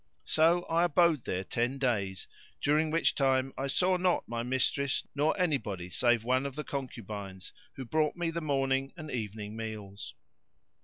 So I abode there ten days, during which time I saw not my mistress nor anybody save one of the concubines, who brought me the morning and evening meals.